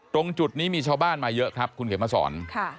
ตรงจุดนี้มีชาวบ้านมาเยอะครับคุณเขียนมาสอน